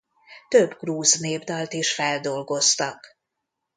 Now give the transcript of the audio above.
Több grúz népdalt is feldolgoztak.